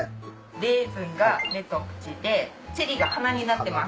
レーズンが目と口でチェリーが鼻になってます。